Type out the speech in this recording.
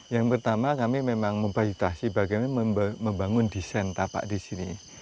yang pertama kami memang membalitasi bagaimana membangun desain tapak di sini